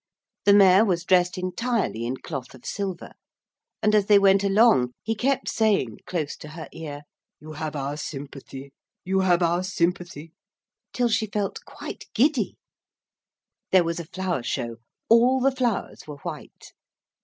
The Mayor was dressed entirely in cloth of silver, and as they went along he kept saying, close to her ear. 'You have our sympathy, you have our sympathy,' till she felt quite giddy. There was a flower show all the flowers were white.